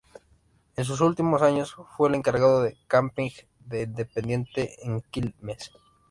En sus últimos años fue el encargado del Camping de Independiente en Quilmes.